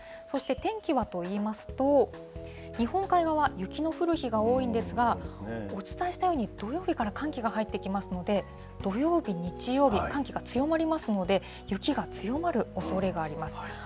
そして天気はといいますと、日本海側、雪の降る日が多いんですが、お伝えしたように、土曜日から寒気が入ってきますので、土曜日、日曜日、寒気が強まりますので、雪が強まるおそれがあります。